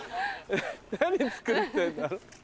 何作ってんだ？